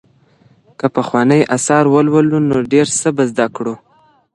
که پخواني آثار ولولو نو ډېر څه به زده کړو.